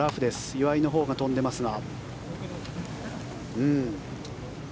岩井のほうが飛んでますが。